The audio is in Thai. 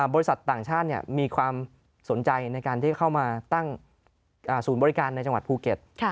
บริษัทต่างชาติมีความสนใจในการที่เข้ามาตั้งศูนย์บริการในจังหวัดภูเก็ต